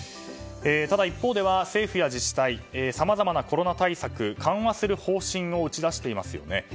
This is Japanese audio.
ただ、一方では政府や自治体さまざまなコロナ対策緩和する方針を打ち出していますよね。